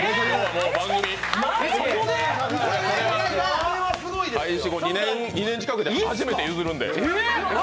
これは開始後、２年近くで初めて譲るんで。